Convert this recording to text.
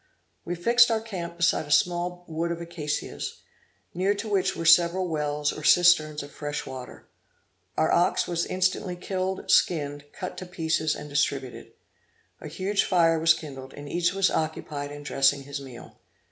We fixed our camp beside a small wood of acacias, near to which were several wells or cisterns of fresh water. Our ox was instantly killed, skinned, cut to pieces and distributed. A huge fire was kindled, and each was occupied in dressing his meal.